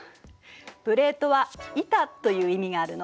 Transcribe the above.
プレートは「板」という意味があるの。